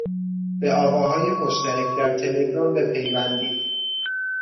به آواهای مشترک در تلگرام بپیوندید